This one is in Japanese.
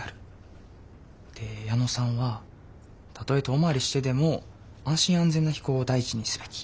で矢野さんはたとえ遠回りしてでも安心安全な飛行を第一にすべき。